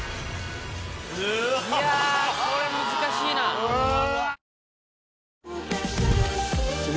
これ難しいなぁ。